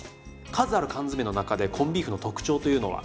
数ある缶詰の中でコンビーフの特徴というのは？